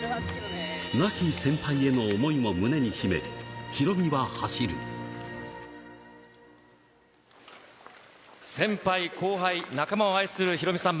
亡き先輩への思いを胸に秘め先輩、後輩、仲間を愛するヒロミさん。